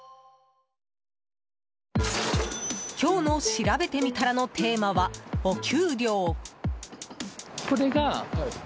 今日のしらべてみたらのテーマは、お給料。